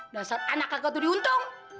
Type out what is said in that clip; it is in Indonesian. dasar anak kagak duri untung